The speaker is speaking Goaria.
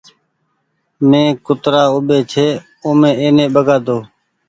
مينٚ ڪترآ اوٻي ڇي اومي ايني ٻگآۮو